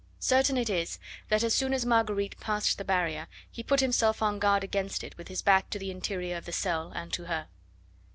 Certain it is that as soon as Marguerite passed the barrier he put himself on guard against it with his back to the interior of the cell and to her.